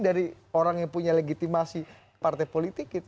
dari orang yang punya legitimasi partai politik